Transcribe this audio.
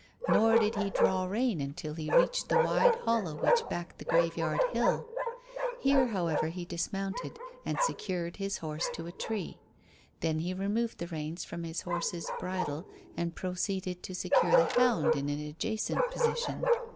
Nor did he draw rein until he reached the wide hollow which backed the graveyard hill. Here, however, he dismounted, and secured his horse to a tree. Then he removed the reins from his horse's bridle, and proceeded to secure the hound in an adjacent position.